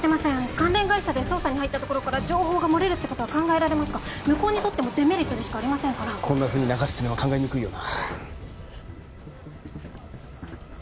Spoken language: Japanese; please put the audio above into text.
関連会社で捜査に入ったところから情報がもれるってことは考えられますが向こうにとってもデメリットでしかありませんからこんなふうに流すってのは考えにくいよな